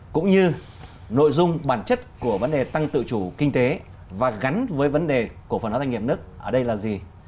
cũng như nội dung bản chất của vấn đề tăng tự chủ kinh tế và gắn với vấn đề cổ phần hóa doanh nghiệp đức ở đây là gì